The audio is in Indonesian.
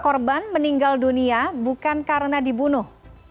korban meninggal dunia bukan karena dibunuh